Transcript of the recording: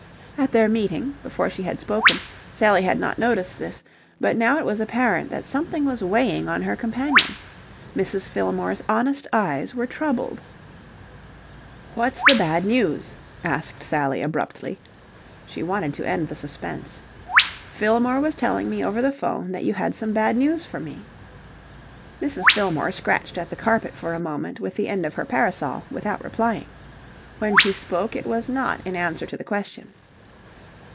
At their meeting, before she had spoken, Sally had not noticed this, but now it was apparent that something was weighing on her companion. Mrs. Fillmore's honest eyes were troubled. "What's the bad news?" asked Sally abruptly. She wanted to end the suspense. "Fillmore was telling me over the 'phone that you had some bad news for me." Mrs. Fillmore scratched at the carpet for a moment with the end of her parasol without replying. When she spoke it was not in answer to the question.